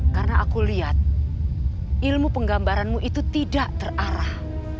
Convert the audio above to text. karena aku lihat ilmu penggambaranmu itu tidak terarah